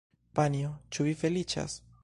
Panjo, ĉu vi feliĉas?